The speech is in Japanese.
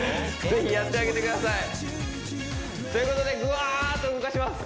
ぜひやってあげてくださいということでグワッと動かします